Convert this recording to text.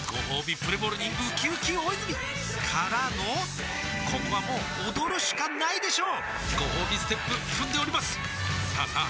プレモルにうきうき大泉からのここはもう踊るしかないでしょうごほうびステップ踏んでおりますさあさあ